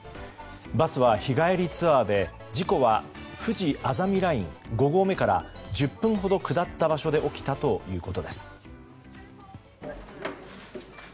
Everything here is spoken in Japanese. バスは日帰りツアーで事故はふじあざみライン５合目から１０分ほど下った場所で起きたということです。